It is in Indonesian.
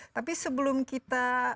tapi sebelum kita